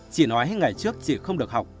chị nói ngày trước chị không được học